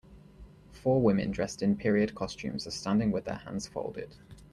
Four women dressed in period costumes are standing with their hands folded.